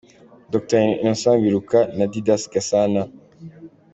Dr Innocent Biruka, na Didas Gasana